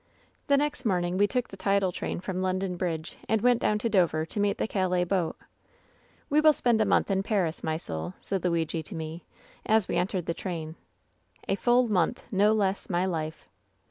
"The next morning we took the tidal train from Lon don Bridge and went down to Dover to meet the Calais boat. " ^We will spend a month in Pari?, my soul,^ said Luigi to me, as we entered the train — ^a full month, no less, my life.